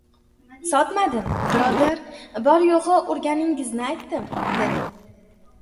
— Sotmadim, birodar, bor-yo‘g‘i urganingizni aytdim, — dedim.